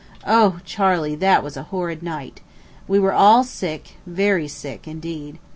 O, Charley, that was a horrid night! We were all sick, very sick indeed.